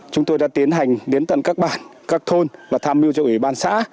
chúng tôi đã tiến hành đến tận các bản các thôn và tham mưu cho ủy ban xã